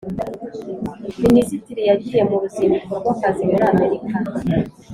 Minisitiri yagiye muruzinduko rw’akazi muri amerika